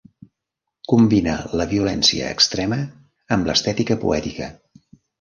Combina la violència extrema amb l'estètica poètica.